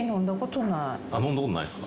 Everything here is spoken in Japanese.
飲んだことないですか？